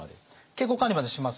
健康管理までします。